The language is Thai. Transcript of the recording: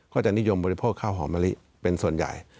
ก็จะนิยมบริโภคข้าวหอมมะลิเป็นส่วนใหญ่